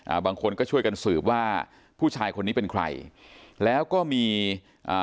บางคนก็ช่วยกันสืบว่าผู้ชายคนนี้เป็นใครแล้วก็มีอ่า